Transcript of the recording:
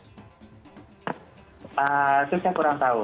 itu saya kurang tahu